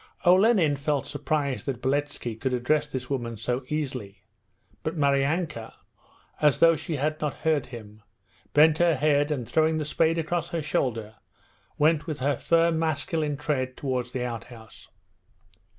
Olenin felt surprised that Beletski could address this woman so easily. But Maryanka, as though she had not heard him, bent her head, and throwing the spade across her shoulder went with her firm masculine tread towards the outhouse.